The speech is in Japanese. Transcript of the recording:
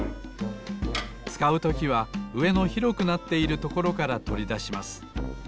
つかうときはうえの広くなっているところからとりだします。